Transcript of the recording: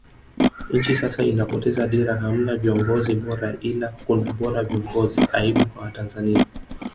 Nchi sasa inapoteza dira hamna viongozi bora ila kuna bora viongozi aibu kwa Watanzania